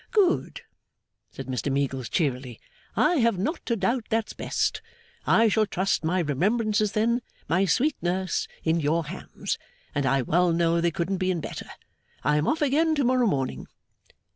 'Good!' said Mr Meagles, cheerily. 'I have not a doubt that's best. I shall trust my remembrances then, my sweet nurse, in your hands, and I well know they couldn't be in better. I am off again to morrow morning.